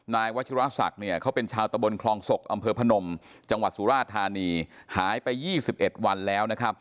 นายวจิรัสตร์เขาเป็นชาวตะบลคลองศกอำเภอพะนมจังหวัดสุราษฎีธานีหายไป๒๑วันแล้ว